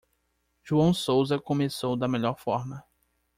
João Sousa começou da melhor forma.